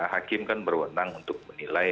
hakim kan berwenang untuk menilai